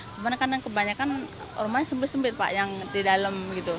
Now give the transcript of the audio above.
sebenarnya kebanyakan rumahnya sempit sempit yang di dalam